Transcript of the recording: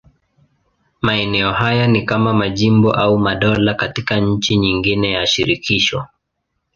Maeneo haya ni kama majimbo au madola katika nchi nyingine ya shirikisho.